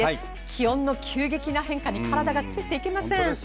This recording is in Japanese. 気温の急激な変化に体がついていきません。